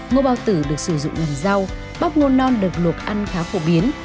ngô bao tử được sử dụng làm rau bắp ngô non được luộc ăn khá phổ biến